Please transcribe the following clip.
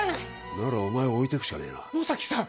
ならお前を置いてくしかねえな野崎さん！